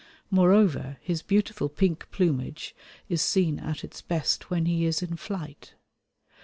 Moreover his beautiful pink plumage is seen at its best when he is in flight.